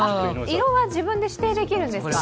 色は自分で指定できるんですか。